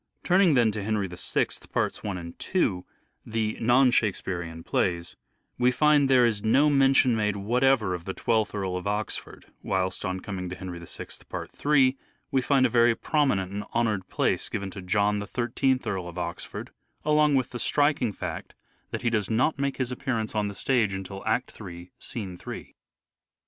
Turning then to " Henry VI," parts i and 2, the non Shakespearean plays, we find there is no mention made whatever of the I2th Earl of Oxford ; whilst, on coming to " Henry VI," part 3, we find a very prominent and honoured place given to John, the I3th Earl of Oxford, along with the striking fact that he does not make his appearance on the stage until Act III, Scene 3.